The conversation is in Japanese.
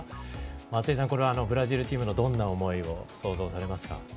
松井さん、これはブラジルチームのどんな思いを想像されますか？